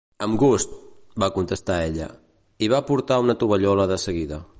"Amb gust", va contestar ella, i va portar una tovallola de seguida.